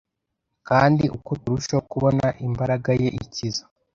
kandi uko turushaho kubona imbaraga Ye ikiza